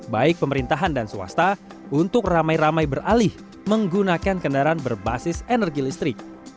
baik pemerintahan dan swasta untuk ramai ramai beralih menggunakan kendaraan berbasis energi listrik